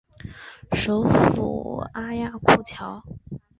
首府阿亚库乔。